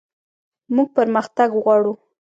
موږ پرمختګ غواړو